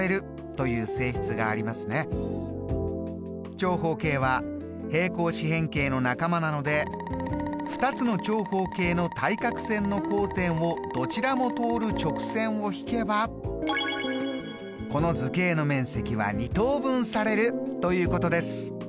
長方形は平行四辺形の仲間なので２つの長方形の対角線の交点をどちらも通る直線を引けばこの図形の面積は２等分されるということです。